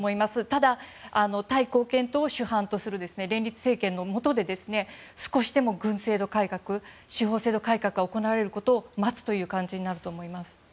ただ、タイ貢献党を首班とする連立政権のもとで少しでも軍制度改革司法制度改革が行われることを待つという感じになると思います。